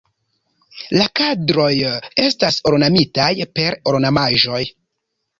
La kadroj estas ornamitaj per ornamaĵoj.